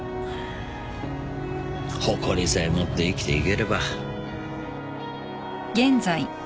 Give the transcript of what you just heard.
誇りさえ持って生きていければ